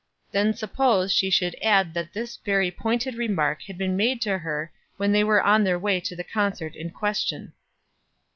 Then suppose she should add that this very pointed remark had been made to her when they were on their way to the concert in question.